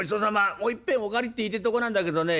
もう一杯お代わりって言いてえとこなんだけどねえ